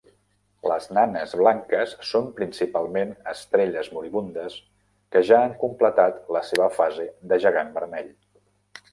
Les nanes blanques són principalment estrelles moribundes que ja han completat la seva fase de gegant vermell.